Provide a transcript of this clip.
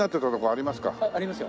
ありますよ。